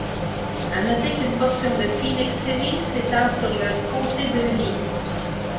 À noter qu’une portion de Phenix City s’étend sur le comté de Lee.